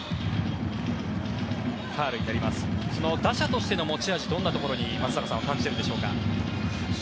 打者としての持ち味を松坂さんはどんなところに感じているでしょうか。